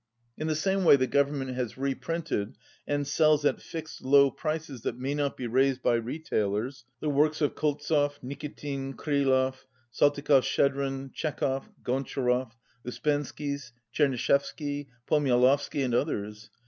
In the same way the Gov ernment has reprinted, and sells at fixed low prices that may not be raised by retailers, the works of Koltzov, Nikitin, Krylov, Saltykov Shtchedrin, Chekhov, Goncharov, Uspensky, Tchernyshevsky, Pomyalovsky and others.